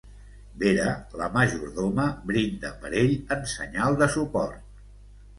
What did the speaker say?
Vera, la majordoma, brinda per ell en senyal de suport.